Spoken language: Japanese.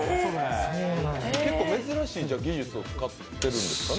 結構珍しい技術を使っているんですかね。